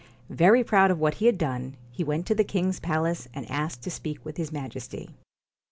Very proud of what he had done, he went to the king's palace, and asked to speak with his Majesty.